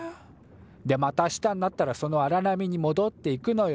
でまた明日になったらそのあら波にもどっていくのよ。